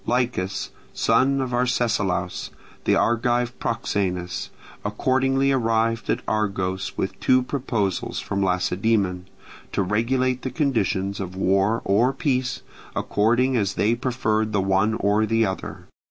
Lichas, son of Arcesilaus, the Argive proxenus, accordingly arrived at Argos with two proposals from Lacedaemon, to regulate the conditions of war or peace, according as they preferred the one or the other.